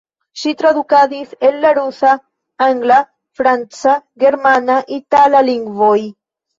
Ŝi tradukadis el la rusa, angla, franca, germana, itala lingvoj.